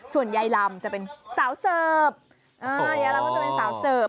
ส่วนยายลำจะเป็นสาวเสิร์ฟยายลำก็จะเป็นสาวเสิร์ฟ